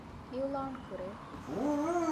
އިޢްލާނު ކުރޭ